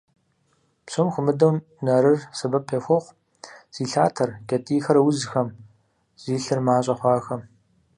Псом хуэмыдэу нарыр сэбэп яхуохъу зи лъатэр, кӀэтӀийхэр узхэм, зи лъыр мащӀэ хъуахэм.